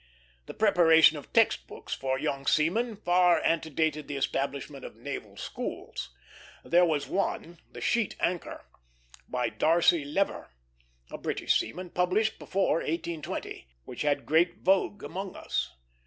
The preparation of text books for young seamen far antedated the establishment of naval schools. There was one, The Sheet Anchor, by Darcy Lever, a British seaman, published before 1820, which had great vogue among us.